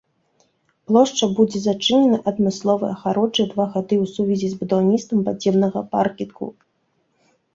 Плошча будзе зачынена адмысловай агароджай два гады ў сувязі з будаўніцтвам падземнага паркінгу.